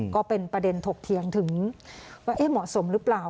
ก็เป็นประเด็นถกเถียงถึงว่าเหมาะสมหรือเปล่า